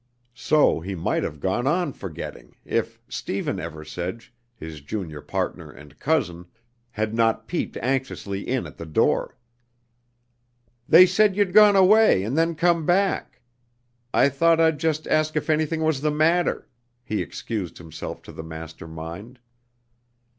So he might have gone on forgetting, if Stephen Eversedge, his junior partner and cousin, had not peeped anxiously in at the door. "They said you'd gone away and then come back. I thought I'd just ask if anything was the matter," he excused himself to the master mind.